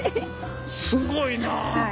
すごいなあ！